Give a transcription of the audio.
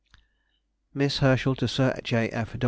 MISS HERSCHEL TO SIR J.